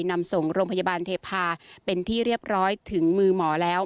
นำส่งโรงพยาบาลเทพาเป็นที่เรียบร้อยถึงมือหมอแล้ว